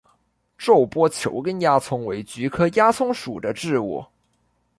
皱波球根鸦葱为菊科鸦葱属的植物。